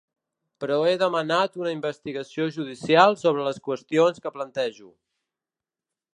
Però he demanat una investigació judicial sobre les qüestions que plantejo.